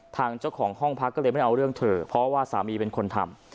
ทางเจ้าของห้องพักก็เลยไม่เอาเรื่องเธอเพราะว่าสามีเป็นคนทำ